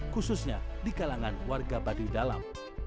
khususnya di kalangan warga baduy dalam